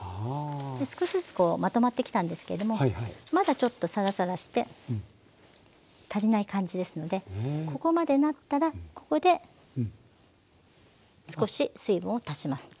少しずつまとまってきたんですけどもまだちょっとサラサラして足りない感じですのでここまでなったらここで少し水分を足します。